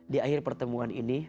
di akhir pertemuan ini